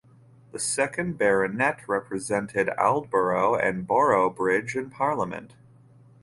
The second Baronet represented Aldborough and Boroughbridge in Parliament.